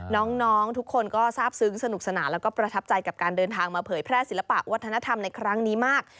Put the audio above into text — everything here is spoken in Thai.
น้องทุกคนก็ทราบซึ้งสนุกสนานแล้วก็ประทับใจกับการเดินทางมาเผยแพร่ศิลปะวัฒนธรรมในครั้งนี้มาก